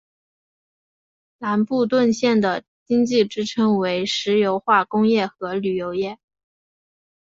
兰布顿县的经济支柱为石油化工业和旅游业。